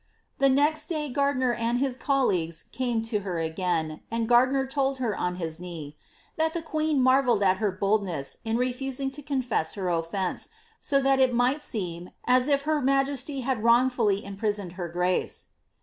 The next day Gardiner and hia collea^ea came to her airain, and Gardiner told her on his knee, *^ that the queen marvelled at her bold neds in refusing to confess her oflfence, so that it might seem, as if her majesty had wrongfully imprisoned her graee.